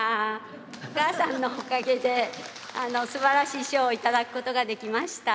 お母さんのおかげですばらしい賞を頂くことができました。